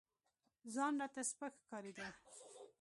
ځان راته سپك ښكارېده.